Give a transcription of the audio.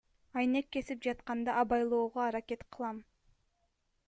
Айнек кесип жатканда абайлоого аракет кылам.